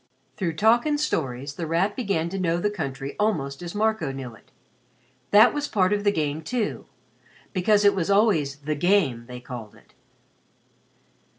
Through talk and stories The Rat began to know the country almost as Marco knew it. That was part of the game too because it was always "the game," they called it.